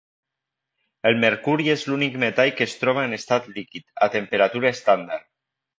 El mercuri és l’únic metall que es troba en estat líquid a temperatura estàndard.